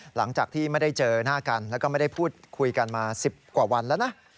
หลังจากที่ไม่ได้เจอหน้ากันแล้วก็ไม่ได้พูดคุยกันมา๑๐กว่าวันแล้วนะ